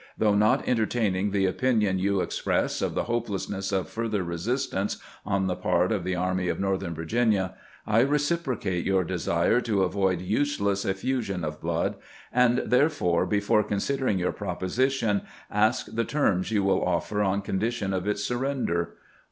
Though not entertaining the opinion you express of the hopelessness of further resistance on the part of the Army of Northern Vir ginia, I reciprocate your desire to avoid useless efEusion of blood, and therefore, before considering your proposition, ask the terms you will offer on condition of its surrender.